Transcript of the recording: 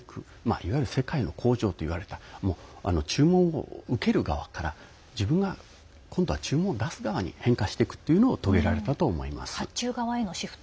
いわゆる世界の工場といわれた注文を受ける側から自分が今度は注文を出す側に変換していったことが遂げられたと思います。